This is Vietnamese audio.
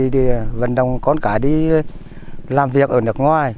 thì vận động con cái đi làm việc ở nước ngoài